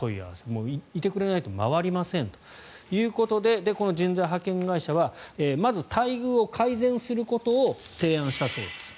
もういてくれないと回りませんということでこの人材派遣会社はまず待遇を改善することを提案したそうです。